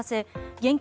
現金